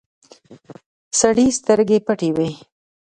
سړي سترګې پټې وې.